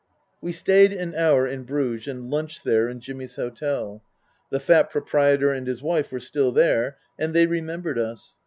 We stayed an hour in Bruges and lunched there in Jimmy's hotel. The fat proprietor and his wife were still there and they remembered us.